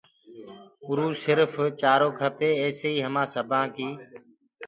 اُروُ سرڦ چآرو کپي ايسيئيٚ همآن سبآن ڪي